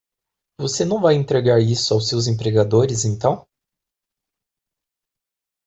Você não vai entregar isso aos seus empregadores então?